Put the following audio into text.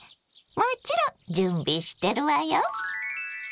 もちろん準備してるわよ。